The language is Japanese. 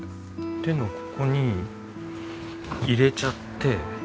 手のここに入れちゃって。